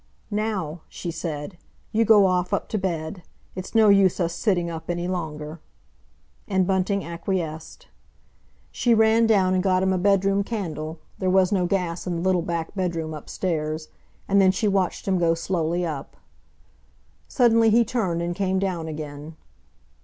"Now," she said, "you go off up to bed. It's no use us sitting up any longer." And Bunting acquiesced. She ran down and got him a bedroom candle—there was no gas in the little back bedroom upstairs. And then she watched him go slowly up. Suddenly he turned and came down again.